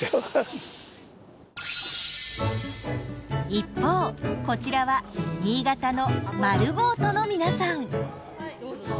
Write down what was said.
一方こちらは新潟の「まるごーと」の皆さん。